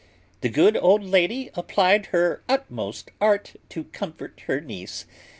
The good old lady applied her utmost art to comfort her niece.